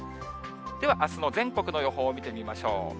では、あすの全国の予報を見てみましょう。